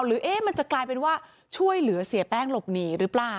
หรือมันจะกลายเป็นว่าช่วยเหลือเสียแป้งหลบหนีหรือเปล่า